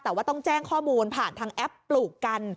แต่ว่าต้องแจ้งข้อมูลผ่านทางแอปปลูกกัน